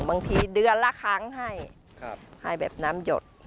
บางทีเดือนละครั้งให้ให้แบบน้ำหยด